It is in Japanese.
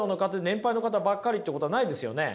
年配の方ばっかりってことはないですよね？